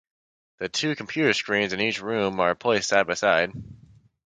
The two computer screens in each room are placed side by side.